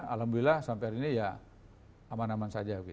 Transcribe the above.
alhamdulillah sampai hari ini ya aman aman saja